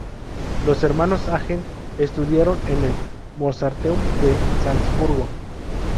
Los hermanos Hagen estudiaron en el Mozarteum de Salzburgo.